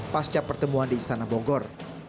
pasca pertemuan di istana bogor